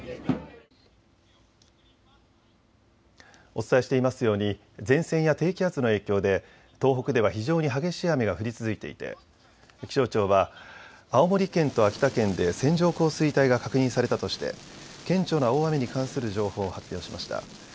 お伝えしていますように前線や低気圧の影響で東北では非常に激しい雨が降り続いていて気象庁は青森県と秋田県で線状降水帯が確認されたとして顕著な大雨に関する情報を発表しました。